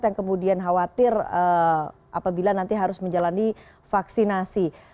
yang kemudian khawatir apabila nanti harus menjalani vaksinasi